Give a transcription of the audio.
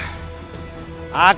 akan aku kembali